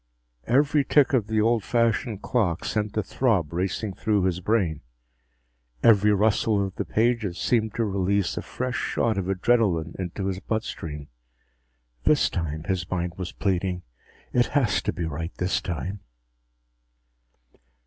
Every tick of the old fashioned clock sent a throb racing through his brain. Every rustle of the pages seemed to release a fresh shot of adrenalin into his blood stream. This time, his mind was pleading. _It has to be right this time....